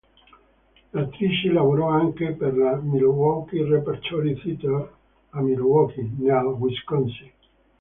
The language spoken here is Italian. L'attrice lavorò anche per la Milwaukee Repertory Theater a Milwaukee, nel Wisconsin.